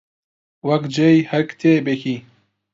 وەک جێی هەر کتێبێکی